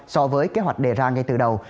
so với kế hoạch đề ra ngay từ đầu